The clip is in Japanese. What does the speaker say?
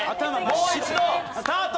もう一度スタート！